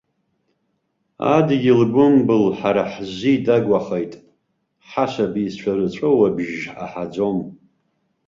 Адгьыл гәымбыл ҳара ҳзы идагәахеит, ҳасабицәа рҵәыуабжь аҳаӡом!